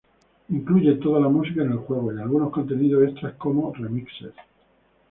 Incluye toda la música en el juego y algunos contenidos extras como remixes.